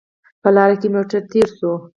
په لاره کې موټر تېر شو